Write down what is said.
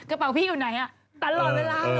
กระเป๋าพี่อยู่ไหนตลอดเวลา